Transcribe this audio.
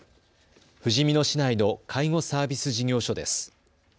ふじみ野市内の介護サービス事業所です。